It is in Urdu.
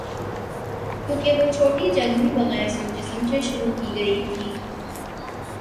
کیونکہ وہ چھوٹی جنگ بھی بغیر سوچے سمجھے شروع کی گئی تھی۔